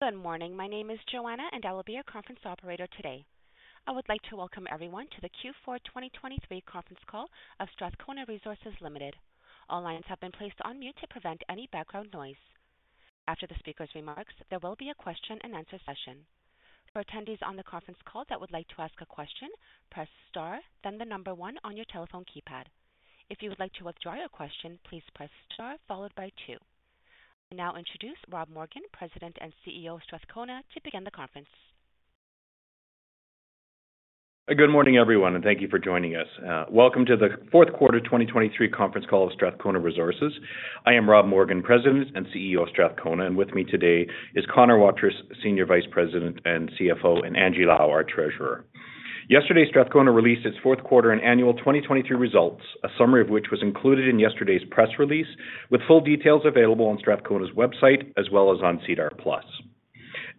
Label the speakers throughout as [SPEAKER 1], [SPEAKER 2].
[SPEAKER 1] Good morning. My name is Joanna, and I will be your conference operator today. I would like to welcome everyone to the Q4 2023 conference call of Strathcona Resources Limited. All lines have been placed on mute to prevent any background noise. After the speaker's remarks, there will be a question-and-answer session. For attendees on the conference call that would like to ask a question, press star, then the number one on your telephone keypad. If you would like to withdraw your question, please press star followed by two. I now introduce Rob Morgan, President and CEO of Strathcona, to begin the conference.
[SPEAKER 2] Good morning, everyone, and thank you for joining us. Welcome to the fourth quarter 2023 conference call of Strathcona Resources. I am Rob Morgan, President and CEO of Strathcona, and with me today is Connor Waterous, Senior Vice President and CFO, and Angie Lau, our Treasurer. Yesterday, Strathcona released its fourth quarter and annual 2023 results, a summary of which was included in yesterday's press release, with full details available on Strathcona's website as well as on SEDAR+.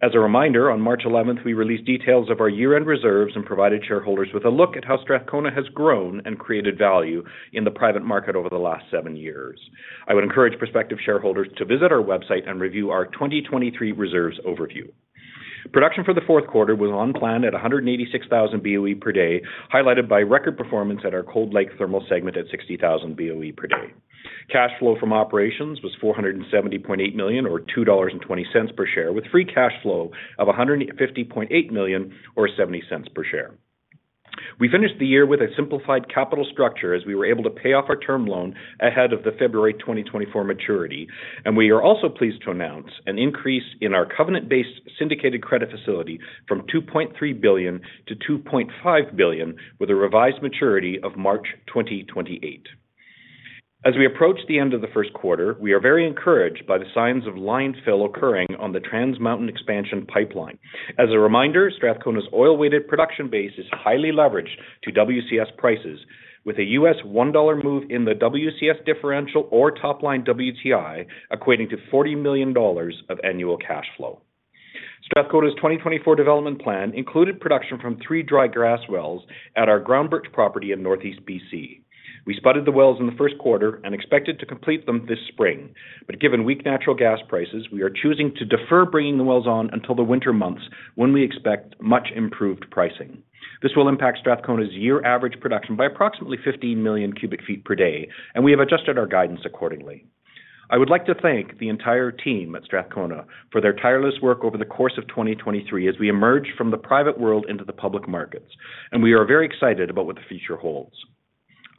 [SPEAKER 2] As a reminder, on March 11th, we released details of our year-end reserves and provided shareholders with a look at how Strathcona has grown and created value in the private market over the last seven years. I would encourage prospective shareholders to visit our website and review our 2023 reserves overview. Production for the fourth quarter was on plan at 186,000 BOE per day, highlighted by record performance at our Cold Lake Thermal segment at 60,000 BOE per day. Cash flow from operations was 470.8 million, or 2.20 dollars per share, with free cash flow of 150.8 million, or 0.70 per share. We finished the year with a simplified capital structure as we were able to pay off our term loan ahead of the February 2024 maturity, and we are also pleased to announce an increase in our covenant-based syndicated credit facility from 2.3 billion-2.5 billion, with a revised maturity of March 2028. As we approach the end of the first quarter, we are very encouraged by the signs of line fill occurring on the Trans Mountain Expansion pipeline. As a reminder, Strathcona's oil-weighted production base is highly leveraged to WCS prices, with a $1 move in the WCS differential or the WTI equating to $40 million of annual cash flow. Strathcona's 2024 development plan included production from three dry gas wells at our Groundbirch property in Northeast BC. We spudded the wells in the first quarter and expected to complete them this spring, but given weak natural gas prices, we are choosing to defer bringing the wells on until the winter months when we expect much improved pricing. This will impact Strathcona's year-average production by approximately 15 million cubic feet per day, and we have adjusted our guidance accordingly. I would like to thank the entire team at Strathcona for their tireless work over the course of 2023 as we emerge from the private world into the public markets, and we are very excited about what the future holds.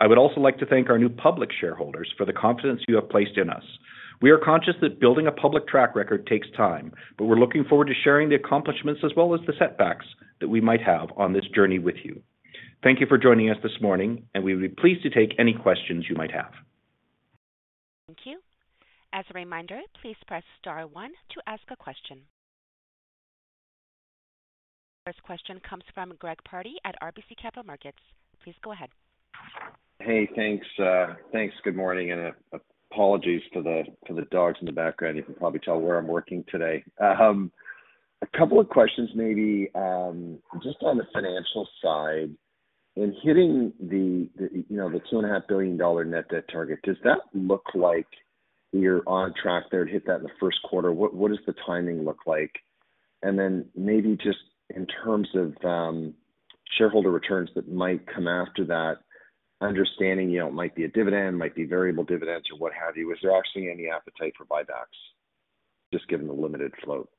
[SPEAKER 2] I would also like to thank our new public shareholders for the confidence you have placed in us. We are conscious that building a public track record takes time, but we're looking forward to sharing the accomplishments as well as the setbacks that we might have on this journey with you. Thank you for joining us this morning, and we would be pleased to take any questions you might have.
[SPEAKER 1] Thank you. As a reminder, please press star one to ask a question. The first question comes from Greg Pardy at RBC Capital Markets. Please go ahead.
[SPEAKER 3] Hey, thanks. Good morning, and apologies for the dogs in the background. You can probably tell where I'm working today. A couple of questions, maybe just on the financial side. In hitting the 2.5 billion dollar net debt target, does that look like you're on track there to hit that in the first quarter? What does the timing look like? And then maybe just in terms of shareholder returns that might come after that, understanding it might be a dividend, might be variable dividends, or what have you, is there actually any appetite for buybacks, just given the limited float?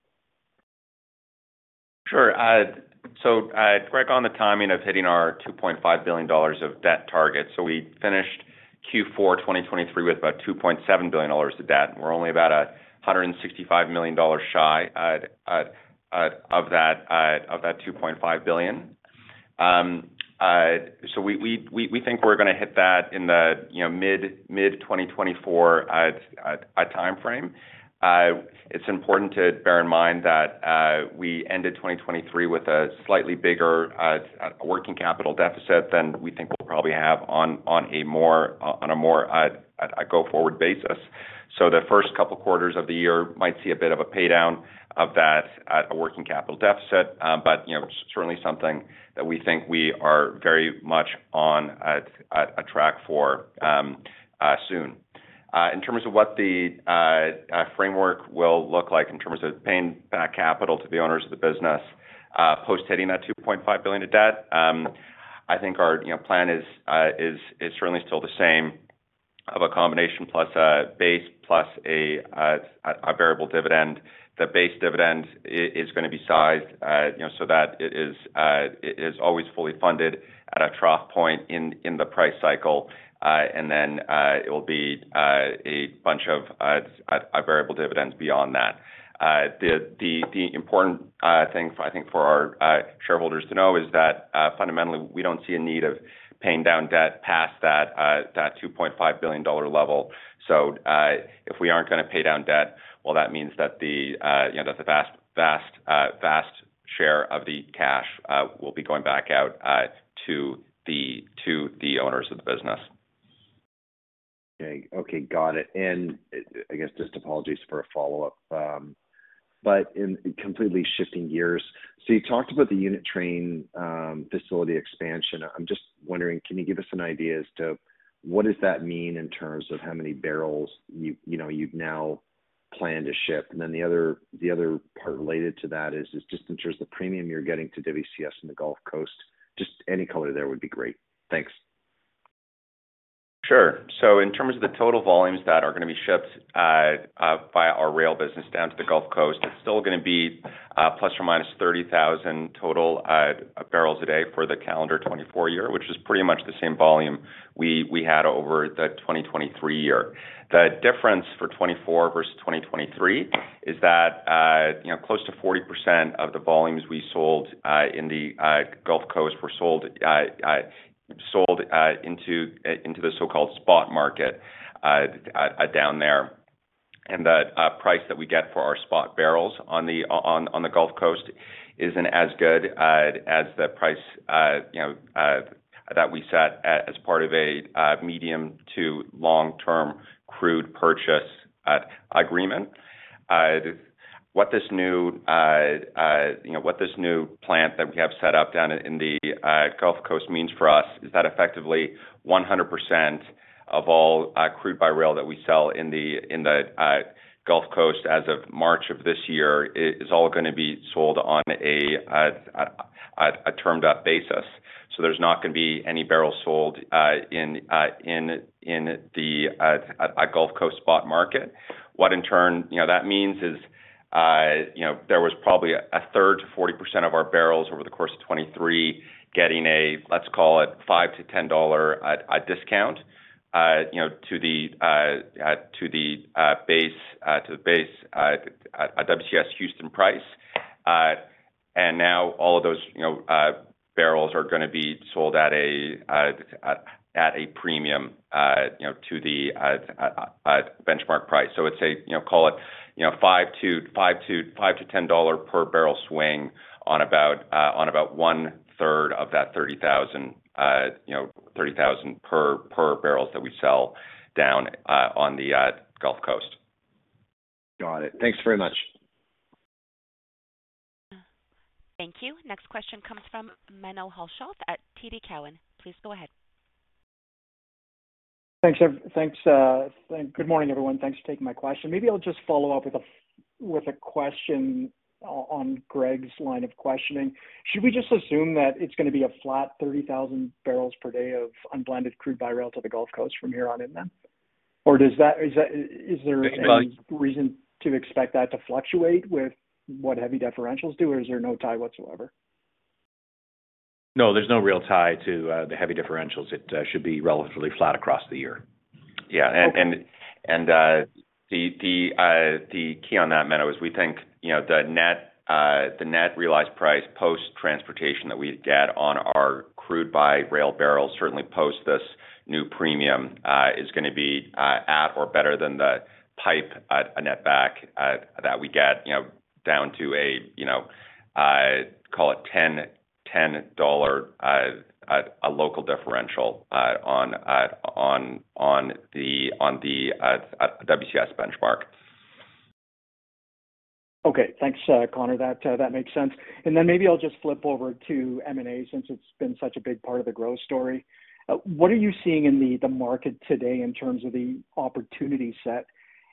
[SPEAKER 4] Sure. So correct on the timing of hitting our 2.5 billion dollars of debt target. So we finished Q4 2023 with about 2.7 billion dollars of debt, and we're only about 165 million dollars shy of that 2.5 billion. So we think we're going to hit that in the mid-2024 timeframe. It's important to bear in mind that we ended 2023 with a slightly bigger working capital deficit than we think we'll probably have on a more go forward basis. So the first couple of quarters of the year might see a bit of a paydown of that working capital deficit, but certainly something that we think we are very much on a track for soon. In terms of what the framework will look like in terms of paying back capital to the owners of the business post-hitting that 2.5 billion of debt, I think our plan is certainly still the same of a combination plus a base plus a variable dividend. The base dividend is going to be sized so that it is always fully funded at a trough point in the price cycle, and then it will be a bunch of variable dividends beyond that. The important thing, I think, for our shareholders to know is that fundamentally, we don't see a need of paying down debt past that 2.5 billion dollar level. So if we aren't going to pay down debt, well, that means that the vast share of the cash will be going back out to the owners of the business.
[SPEAKER 3] Okay. Got it. I guess just apologies for a follow-up, but in completely shifting gears, so you talked about the unit train facility expansion. I'm just wondering, can you give us an idea as to what does that mean in terms of how many barrels you've now planned to ship? And then the other part related to that is just in terms of the premium you're getting to WCS and the Gulf Coast, just any color there would be great. Thanks.
[SPEAKER 4] Sure. So in terms of the total volumes that are going to be shipped via our rail business down to the Gulf Coast, it's still going to be ±30,000 total barrels a day for the calendar 2024 year, which is pretty much the same volume we had over the 2023 year. The difference for 2024 versus 2023 is that close to 40% of the volumes we sold in the Gulf Coast were sold into the so-called spot market down there. And the price that we get for our spot barrels on the Gulf Coast isn't as good as the price that we set as part of a medium to long-term crude purchase agreement. What this new plant that we have set up down in the Gulf Coast means for us is that effectively 100% of all crude by rail that we sell in the Gulf Coast as of March of this year is all going to be sold on a termed-up basis. So there's not going to be any barrels sold in the Gulf Coast spot market. What in turn that means is there was probably a third to 40% of our barrels over the course of 2023 getting a, let's call it, 5-10 dollar discount to the base at WCS Houston price. And now all of those barrels are going to be sold at a premium to the benchmark price. So it's a, call it, 5-10 dollar per barrel swing on about 1/3 of that 30,000 per barrels that we sell down on the Gulf Coast.
[SPEAKER 3] Got it. Thanks very much.
[SPEAKER 1] Thank you. Next question comes from Menno Hulshof at TD Cowen. Please go ahead.
[SPEAKER 5] Thanks. Good morning, everyone. Thanks for taking my question. Maybe I'll just follow up with a question on Greg's line of questioning. Should we just assume that it's going to be a flat 30,000 bpd of unblended crude by rail to the Gulf Coast from here on in then? Or is there any reason to expect that to fluctuate with what heavy differentials do, or is there no tie whatsoever?
[SPEAKER 4] No, there's no real tie to the heavy differentials. It should be relatively flat across the year. Yeah. And the key on that, Menno, is we think the net realized price post-transportation that we get on our crude by rail barrels, certainly post this new premium, is going to be at or better than the pipe netback that we get down to a, call it, $10 a local differential on the WCS benchmark.
[SPEAKER 5] Okay. Thanks, Connor. That makes sense. And then maybe I'll just flip over to M&A since it's been such a big part of the growth story. What are you seeing in the market today in terms of the opportunity set?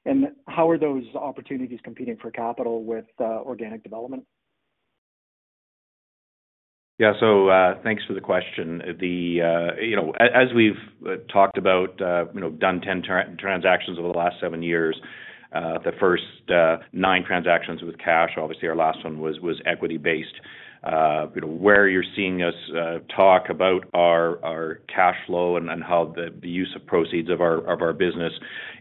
[SPEAKER 5] And how are those opportunities competing for capital with organic development?
[SPEAKER 2] Yeah. So thanks for the question. As we've talked about, done 10 transactions over the last seven years, the first nine transactions with cash, obviously our last one was equity-based. Where you're seeing us talk about our cash flow and how the use of proceeds of our business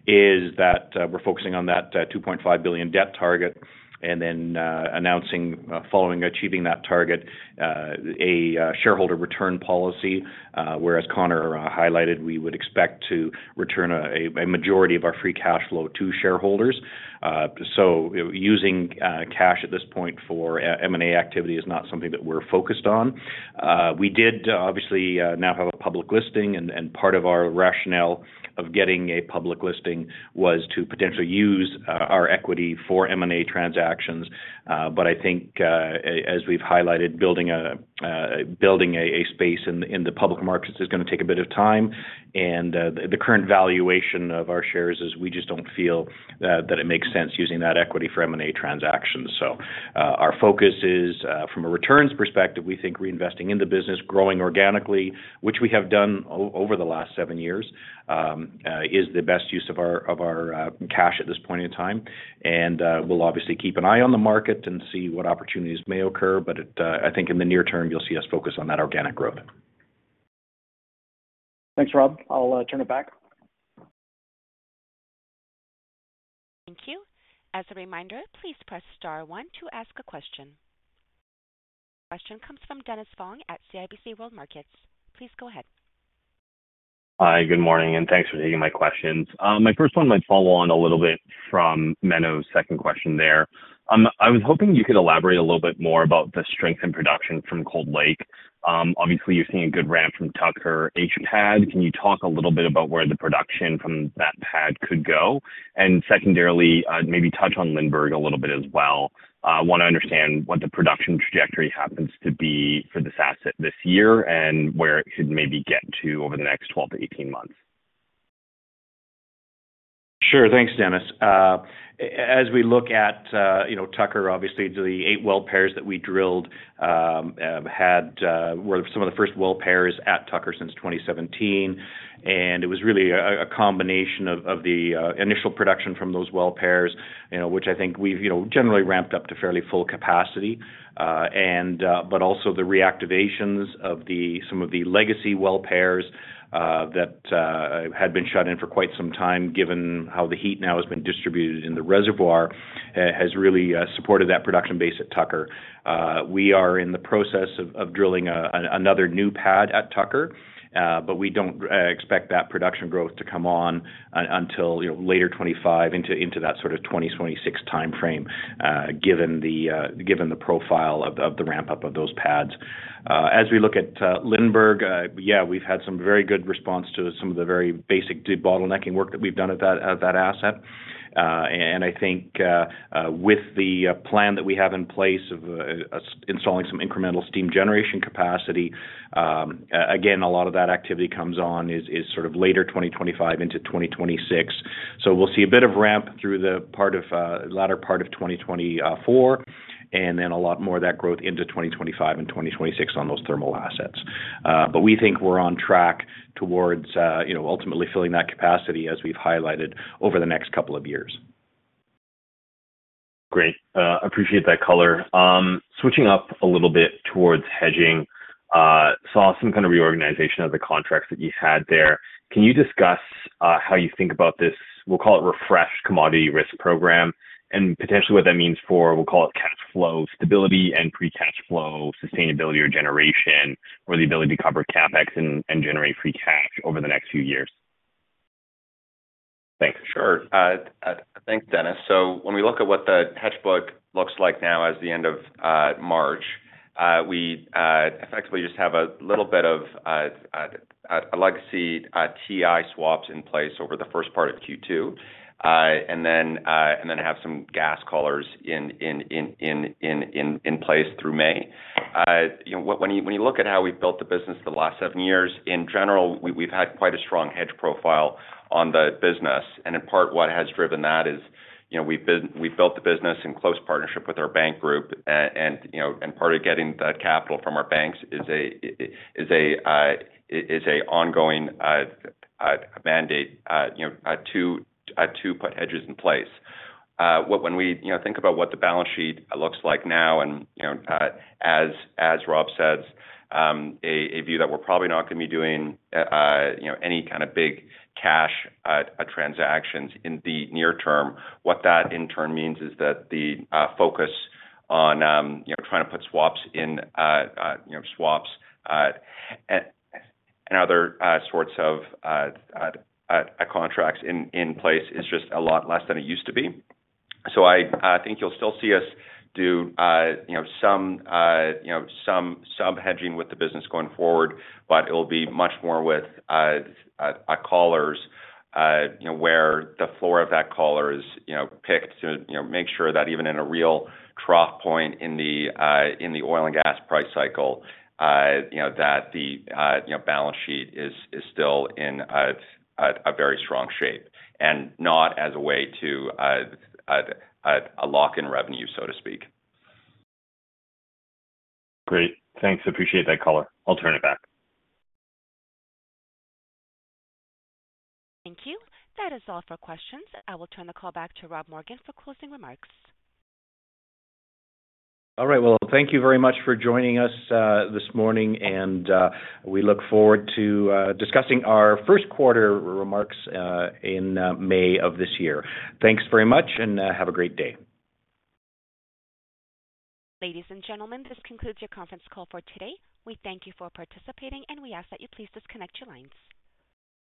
[SPEAKER 2] is that we're focusing on that 2.5 billion debt target and then announcing, following achieving that target, a shareholder return policy. As Connor highlighted, we would expect to return a majority of our free cash flow to shareholders. So using cash at this point for M&A activity is not something that we're focused on. We did obviously now have a public listing, and part of our rationale of getting a public listing was to potentially use our equity for M&A transactions. But I think, as we've highlighted, building a space in the public markets is going to take a bit of time. The current valuation of our shares is, we just don't feel that it makes sense using that equity for M&A transactions. Our focus is, from a returns perspective, we think reinvesting in the business, growing organically, which we have done over the last seven years, is the best use of our cash at this point in time. And we'll obviously keep an eye on the market and see what opportunities may occur. I think in the near term, you'll see us focus on that organic growth.
[SPEAKER 5] Thanks, Rob. I'll turn it back.
[SPEAKER 1] Thank you. As a reminder, please press star one to ask a question. The question comes from Dennis Fong at CIBC World Markets. Please go ahead.
[SPEAKER 6] Hi. Good morning, and thanks for taking my questions. My first one might follow on a little bit from Menno's second question there. I was hoping you could elaborate a little bit more about the strength in production from Cold Lake. Obviously, you're seeing a good ramp from Tucker H-Pad. Can you talk a little bit about where the production from that pad could go? And secondarily, maybe touch on Lindbergh a little bit as well. I want to understand what the production trajectory happens to be for this asset this year and where it could maybe get to over the next 12 to 18 months.
[SPEAKER 2] Sure. Thanks, Dennis. As we look at Tucker, obviously, the eight well pairs that we drilled were some of the first well pairs at Tucker since 2017. And it was really a combination of the initial production from those well pairs, which I think we've generally ramped up to fairly full capacity. But also the reactivations of some of the legacy well pairs that had been shut in for quite some time, given how the heat now has been distributed in the reservoir, has really supported that production base at Tucker. We are in the process of drilling another new pad at Tucker, but we don't expect that production growth to come on until later 2025, into that sort of 2026 timeframe, given the profile of the ramp-up of those pads. As we look at Lindbergh, yeah, we've had some very good response to some of the very basic debottlenecking work that we've done at that asset. And I think with the plan that we have in place of installing some incremental steam generation capacity, again, a lot of that activity comes on is sort of later 2025 into 2026. So we'll see a bit of ramp through the latter part of 2024 and then a lot more of that growth into 2025 and 2026 on those thermal assets. But we think we're on track towards ultimately filling that capacity, as we've highlighted, over the next couple of years.
[SPEAKER 6] Great. Appreciate that color. Switching up a little bit towards hedging, saw some kind of reorganization of the contracts that you had there. Can you discuss how you think about this, we'll call it, refreshed commodity risk program and potentially what that means for, we'll call it, cash flow stability and free cash flow sustainability or generation or the ability to cover CapEx and generate free cash over the next few years? Thanks.
[SPEAKER 4] Sure. Thanks, Dennis. So when we look at what the hedge book looks like now as the end of March, we effectively just have a little bit of a legacy WTI swaps in place over the first part of Q2 and then have some gas collars in place through May. When you look at how we've built the business the last seven years, in general, we've had quite a strong hedge profile on the business. And in part, what has driven that is we've built the business in close partnership with our bank group. And part of getting that capital from our banks is an ongoing mandate to put hedges in place. When we think about what the balance sheet looks like now and, as Rob says, a view that we're probably not going to be doing any kind of big cash transactions in the near term, what that in turn means is that the focus on trying to put in swaps and collars and other sorts of contracts in place is just a lot less than it used to be. So I think you'll still see us do some hedging with the business going forward, but it'll be much more with collars where the floor of that collar is picked to make sure that even in a real trough point in the oil and gas price cycle, that the balance sheet is still in a very strong shape and not as a way to lock in revenue, so to speak.
[SPEAKER 6] Great. Thanks. Appreciate that color. I'll turn it back.
[SPEAKER 1] Thank you. That is all for questions. I will turn the call back to Rob Morgan for closing remarks.
[SPEAKER 2] All right. Well, thank you very much for joining us this morning. We look forward to discussing our first quarter remarks in May of this year. Thanks very much and have a great day.
[SPEAKER 1] Ladies and gentlemen, this concludes your conference call for today. We thank you for participating, and we ask that you please disconnect your lines.